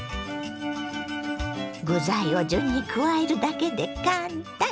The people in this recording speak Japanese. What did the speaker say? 具材を順に加えるだけで簡単！